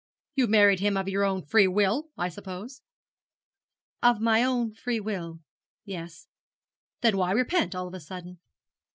'You married him of your own free will I suppose?' 'Of my own free will yes.' 'Then why repent all of a sudden?'